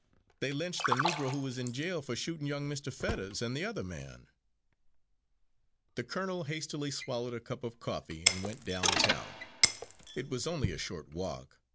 "They lynched the Negro who was in jail for shooting young Mr. Fetters and the other man." The colonel hastily swallowed a cup of coffee and went down town. It was only a short walk.